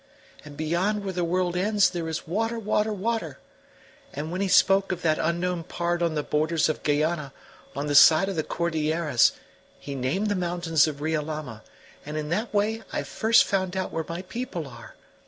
And beyond where the world ends there is water, water, water. And when he spoke of that unknown part on the borders of Guayana, on the side of the Cordilleras, he named the mountains of Riolama, and in that way I first found out where my people are.